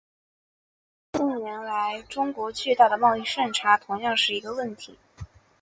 近年来中国巨大的贸易顺差同样是一个问题。